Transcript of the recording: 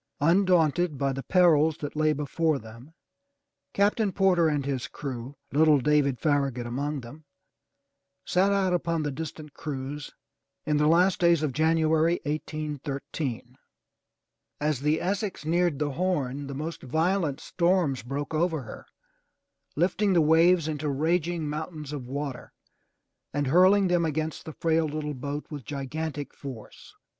Undaunted by the perils that lay before them. Captain Porter and his crew, little David Farragut among them, set out upon this distant cruise in the last days of January, 1813. As the Essex neared the Horn, the most violent storms broke over her, lifting the waves into raging mountains of water and hurling them against the frail little boat with gigantic force.